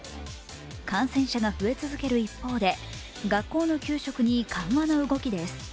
感染者が増え続ける一方で学校の給食に緩和の動きです。